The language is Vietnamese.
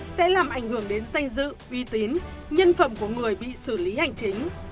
sẽ làm ảnh hưởng đến danh dự uy tín nhân phẩm của người bị xử lý hành chính